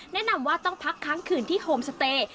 แนะนำว่าต้องพักค้างคืนที่โฮมสเตย์